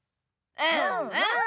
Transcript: うんうん。